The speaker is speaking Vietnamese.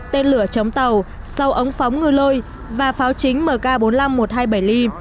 tên lửa chống tàu sâu ống phóng ngư lôi và pháo chính mk bốn mươi năm một trăm hai mươi bảy l